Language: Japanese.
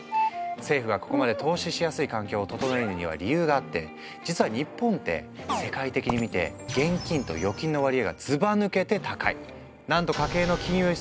政府がここまで投資しやすい環境を整えるには理由があって実は日本って世界的に見て現金と預金の割合がずばぬけて高い。